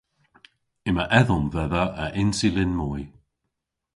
Yma edhom dhedha a insulin moy.